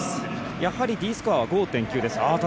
やはりＤスコアは５．９。